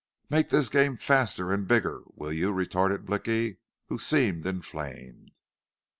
"Make this game faster an' bigger, will you?" retorted Blicky, who seemed inflamed.